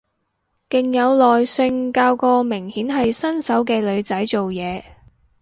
勁有耐性教個明顯係新手嘅女仔做嘢